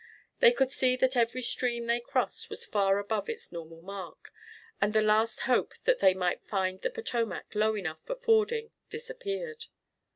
They could see that every stream they crossed was far above its normal mark, and the last hope that they might find the Potomac low enough for fording disappeared.